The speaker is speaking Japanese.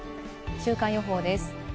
週間予報です。